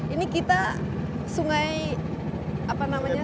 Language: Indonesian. ini kita sungai apa namanya